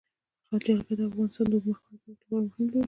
جلګه د افغانستان د اوږدمهاله پایښت لپاره مهم رول لري.